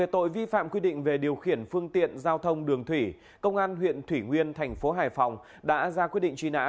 theo thông đường thủy công an huyện thủy nguyên thành phố hải phòng đã ra quyết định truy nã